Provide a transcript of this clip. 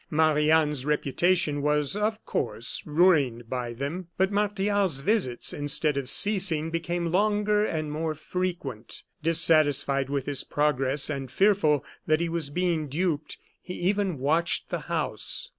Marie Anne's reputation was, of course, ruined by them; but Martial's visits, instead of ceasing, became longer and more frequent. Dissatisfied with his progress, and fearful that he was being duped, he even watched the house.